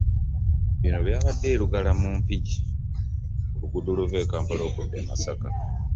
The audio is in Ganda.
Bino byabadde e Lungala mu Mpigi ku luguudo oluva e Kampala okudda e Masaka